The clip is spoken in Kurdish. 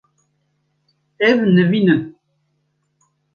Ev nivîn in.